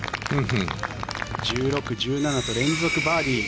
１６、１７と連続バーディー。